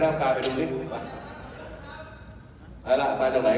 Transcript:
เหนื่อยเดี๋ยวไปดูที่ว่าจะใช่ข้ออาย